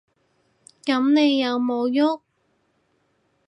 噉你有無郁？